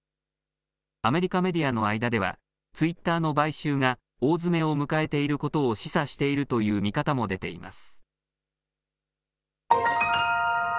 アメリカメディアの間ではツイッターの買収が大詰めを迎えていることを示唆しているという見方も出ています。